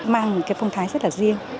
mang cái phong thái rất là riêng